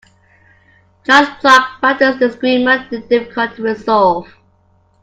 Judge Clark found this disagreement difficult to resolve.